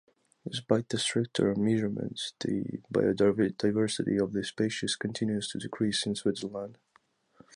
Despite the stricter measurements, the biodiversity of the species continues to decrease in Switzerland.